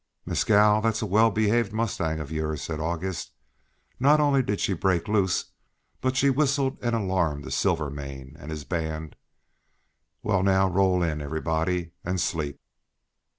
"Mescal, that's a well behaved mustang of yours," said August; "not only did she break loose, but she whistled an alarm to Silvermane and his band. Well, roll in now, everybody, and sleep."